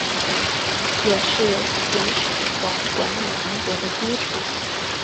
也是秦始皇管理秦国的基础。